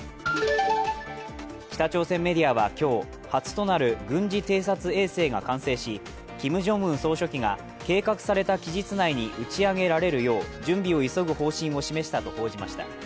北朝鮮メディアは今日初となる軍事偵察衛星が完成しキム・ジョンウン総書記が計画された期日内に打ち上げられるよう準備を急ぐ方針を示したと報じました。